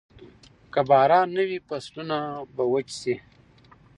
که باران نه وي، فصلونه به وچ شي.